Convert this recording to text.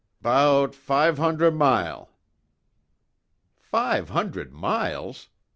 "'Bout fi' hondre mile." "Five hundred miles!